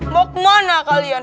mau kemana kalian